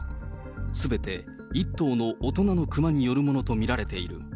すべて１頭の大人の熊によるものと見られている。